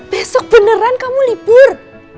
besok beneran kamu libur